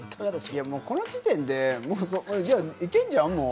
この時点で行けんじゃん、もう！